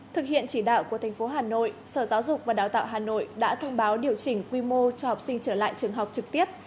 thực hiện chỉ đạo của thành phố hà nội sở giáo dục và đào tạo hà nội đã thông báo điều chỉnh quy mô cho học sinh trở lại trường học trực tiếp